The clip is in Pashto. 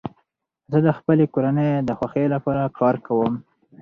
زه د خپلي کورنۍ د خوښۍ له پاره کار کوم.